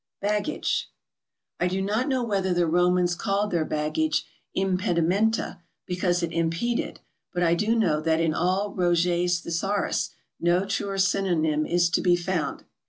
BAGGAGE. I do not know whether the Romans called their baggage impedimenta because it impeded, but I do know that in all Roget's Thesaurus no truer synonym is to be found.